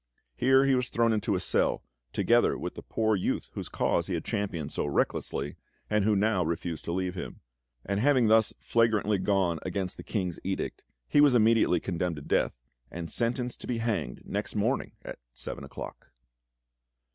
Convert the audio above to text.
Here he was thrown into a cell, together with the poor youth whose cause he had championed so recklessly, and who now refused to leave him; and having thus flagrantly gone against the King's edict, he was immediately condemned to death, and sentenced to be hanged next morning at seven o'clock.